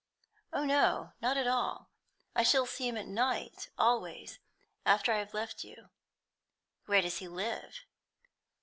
"Oh no, not at all. I shall see him at night always, after I have left you." "Where does he live?"